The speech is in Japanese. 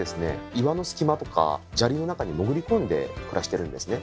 岩の隙間とか砂利の中に潜り込んで暮らしてるんですね。